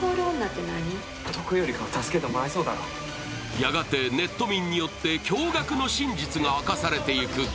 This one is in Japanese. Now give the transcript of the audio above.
やがてネット民によって驚がくの真実が明かされていく。